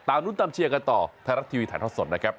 รุ้นตามเชียร์กันต่อไทยรัฐทีวีถ่ายทอดสดนะครับ